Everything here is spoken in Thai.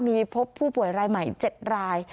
มีพบผู้ป่วยรายใหม่๗ราย